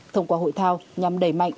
thông qua hội thao nhằm đẩy mạnh